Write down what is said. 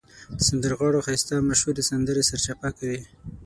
د سندرغاړو ښایسته مشهورې سندرې سرچپه کوي.